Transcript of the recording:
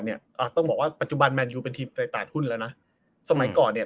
ต้องบอกว่าปัจจุบันแนนยูเป็นทีมในตลาดหุ้นแล้วนะสมัยก่อนเนี่ย